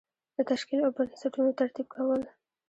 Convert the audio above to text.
د تشکیل او بستونو ترتیب کول.